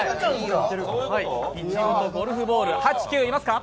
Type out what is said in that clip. いちごとゴルフボール、８、９、いますか？